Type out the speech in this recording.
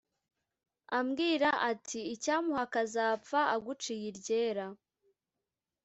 ambwira ati"icyamuha akazapfa aguciye iryera.